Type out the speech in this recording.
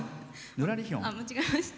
あ、間違えました。